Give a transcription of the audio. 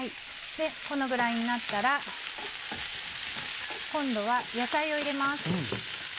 このぐらいになったら今度は野菜を入れます。